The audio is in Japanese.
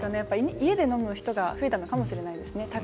家で飲む人が増えたのかもしれないですね。